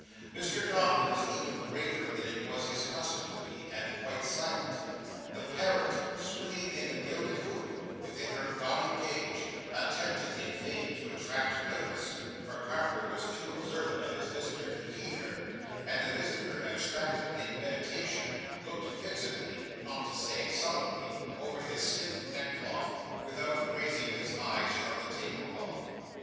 Mr Dombey was even graver than it was his custom to be, and quite silent. The parrot, swinging in the gilded hoop within her gaudy cage, attempted in vain to attract notice, for Carker was too observant of his visitor to heed her; and the visitor, abstracted in meditation, looked fixedly, not to say sullenly, over his stiff neckcloth, without raising his eyes from the table cloth.